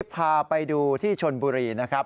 พาไปดูที่ชนบุรีนะครับ